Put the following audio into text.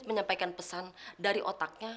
ke kanan coba matanya